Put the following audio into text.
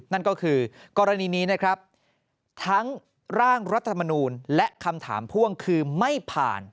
นั่นก็คือกรณีนี้นะครับทั้งร่างรัฐธรรมนูลและคำถามพ่วงคือไม่ผ่าน